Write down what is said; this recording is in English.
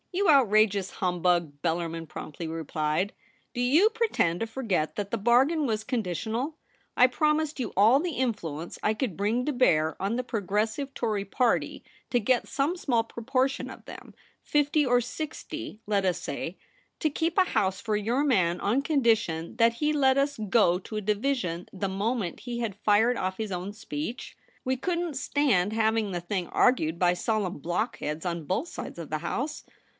'You outrageous humbug!' Bellarmin promptly replied. * Do you pretend to forget that the bargain was conditional ? I promised you all the influence I could bring to bear on the Progressive Tory Party to get some small proportion of them — fifty or sixty, let us say — to keep a house for your man on condition that he let us go to a division the moment he had fired off his own speech. We couldn't stand having the thing argued by solemn blockheads on both sides of the House.